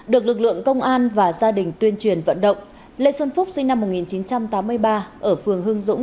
được lực lượng công an và gia đình tuyên truyền vận động lê xuân phúc sinh năm một nghìn chín trăm tám mươi ba ở phường hương dũng